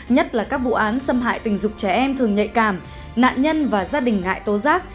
nhất là các vụ án xâm hại tình dục trẻ em thường nhạy cảm nạn nhân và gia đình ngại tố giác